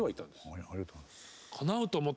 ありがとうございます。